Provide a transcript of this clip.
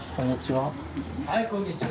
・はいこんにちは。